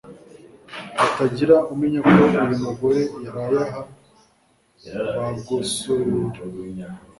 hatagira umenya ko uyu mugore yaraye aha bagosorera